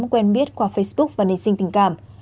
quen biết qua facebook và nền sinh tình cảm